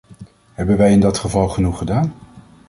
Hebben wij in dit geval genoeg gedaan?